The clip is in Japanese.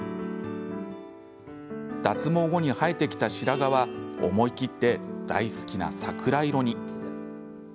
脱毛後に生えてきた白髪は思い切って大好きな桜色に。